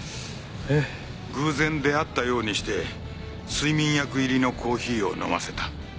偶然出会ったようにして睡眠薬入りのコーヒーを飲ませた。